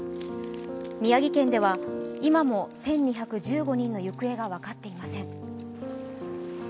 宮城県では今も１２１５人の行方が分かっていません。